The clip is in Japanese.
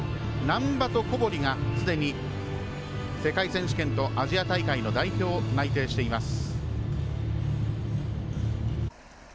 難波と小堀がすでに世界選手権とアジア大会の代表内定しています。